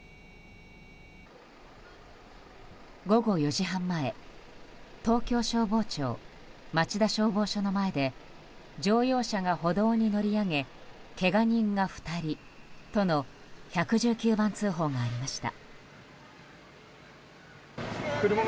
午後４時半前東京消防庁町田消防署の前で乗用車が歩道に乗り上げけが人が２人との１１９番通報がありました。